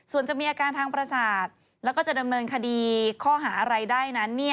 ส่วนจะมีอาการทางประสาทแล้วก็จะดำเนินคดีข้อหาอะไรได้นั้น